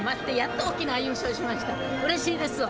うれしいですよ。